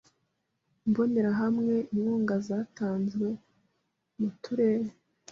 Imbonerahamwe Inkunga zatanzwe m Uturere